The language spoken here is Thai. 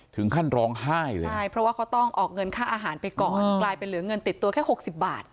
ถึงขั้นร้องไห้เลยใช่เพราะว่าเขาต้องออกเงินค่าอาหารไปก่อนกลายเป็นเหลือเงินติดตัวแค่หกสิบบาท